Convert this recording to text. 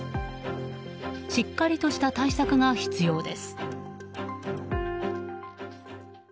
しっかりとした対策が必要です。